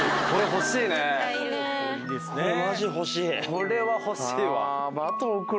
これは欲しいわ。